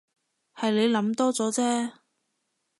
係你諗多咗啫